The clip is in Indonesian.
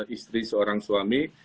istri seorang suami